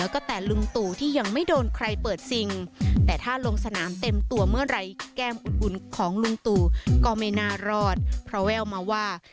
ก็ไม่น่ารอดเพราะแววมาว่า